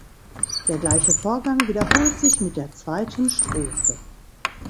Der gleiche Vorgang wiederholt sich mit der zweiten Strophe.